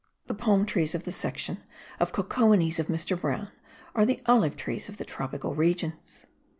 The palm trees of the section of Cocoinies of Mr. Brown are the olive trees of the tropical regions.